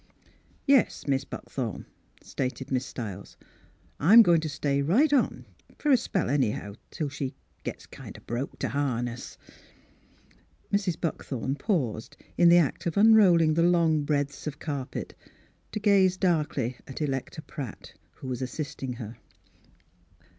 "Yes, Mis' Buckthorn," stated Miss Stiles, " I'm goin' t' stay right on — for a spell, anyhow, till she gets kind o' broke t' harness." Mrs. Buckthorn paused in the act of unrolling the long breadths of carpet to Mdss Pkilura's Wedding Gown gaze darkly at Electa Pratt, who was as sisting her.